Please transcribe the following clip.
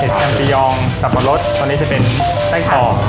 เห็ดแชมปิยองสับปะรสตอนนี้จะเป็นไส้กรอบ